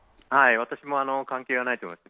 私も関係はないと思います。